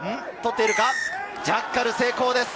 ジャッカル成功です！